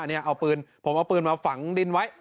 นี่เอาปืนผมเอาปืนมาฝังดินไว้